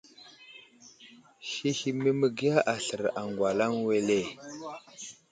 Həhme məgiya aslər agwalaŋ wele ?